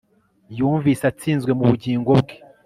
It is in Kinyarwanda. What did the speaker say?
yumvise atsinzwe mu bugingo bwe